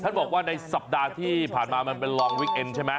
บอกว่าในสัปดาห์ที่ผ่านมามันเป็นรองวิกเอ็นใช่ไหม